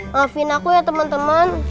maafin aku ya temen temen